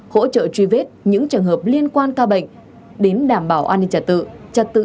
hỗ trợ truy vết những trường hợp liên quan ca bệnh đến đảm bảo an ninh trả tự